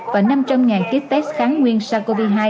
và năm trăm linh kit test kháng nguyên sars cov hai